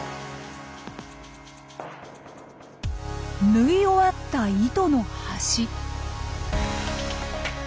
ぬい終わった糸の端。